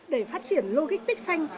để phát triển logic pick xanh